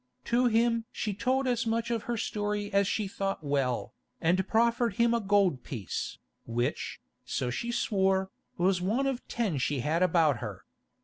To him she told as much of her story as she thought well, and proffered him a gold piece, which, so she swore, was one of ten she had about her.